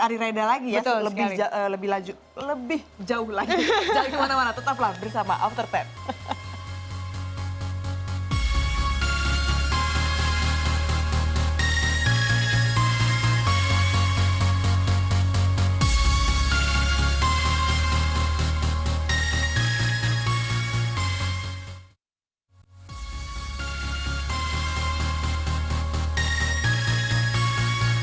arireda lagi ya lebih lebih laju lebih jauh lagi tetap bersama after sepuluh